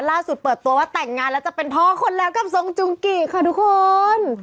เปิดตัวว่าแต่งงานแล้วจะเป็นพ่อคนแล้วกับทรงจุงกิค่ะทุกคน